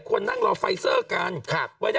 คนนั่งรอไฟเซอร์กัน